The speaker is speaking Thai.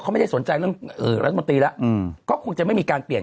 เขาไม่ได้สนใจเรื่องรัฐมนตรีแล้วก็คงจะไม่มีการเปลี่ยน